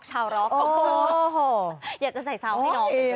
โอ้โหอยากจะใส่ซาวน์ให้น้องเกิน